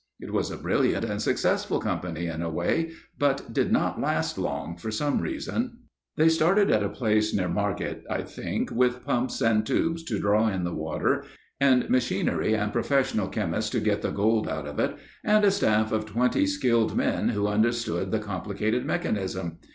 It was a brilliant and successful company in a way, but did not last long for some reason. They started at a place near Margate, I think, with pumps and tubes to draw in the water, and machinery and professional chemists to get the gold out of it, and a staff of twenty skilled men, who understood the complicated mechanism.